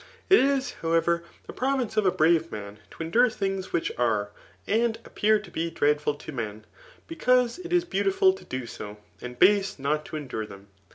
It is, how ever, the province of a brave man to endure things which are, and appear to be dreadful to man, because it is beautiful to do so, and base not to endure them.